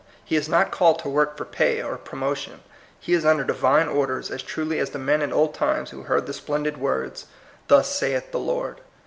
He is not called to work for pay or promotion. He is under Divine orders as truly as the men in old times who heard the splendid words, "Thus saith the Lord."